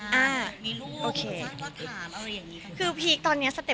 แต่ก็ไม่ได้คิดว่ารีบขนาดนั้นเอาชัวร์ดีกว่า